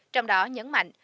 trong đó nhấn mạnh